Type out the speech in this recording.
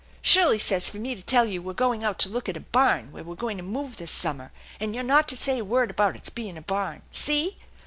Shirley says for me to tell you we're going out to look at a barn where we're going to move this summer, and you're not to say a word about it's being a barn. See